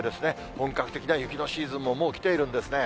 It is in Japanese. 本格的な雪のシーズンももうきているんですね。